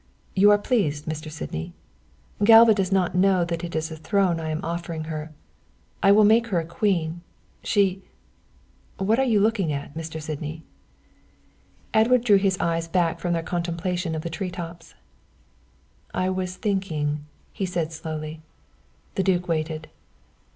"You are pleased, Mr. Sydney? Galva does not know that it is a throne I am offering her. I will make her a queen, she what are you looking at, Mr. Sydney?" Edward drew his eyes back from their contemplation of the tree tops. "I was thinking," he said slowly. The duke waited.